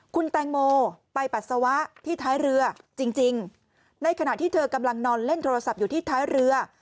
คุณแตงโมไปปัสสาวะที่ท้ายเรือจริงในขณะที่เธอกำลังนอนเล่นโทรศัพท์อยู่ที่ท้ายเรือ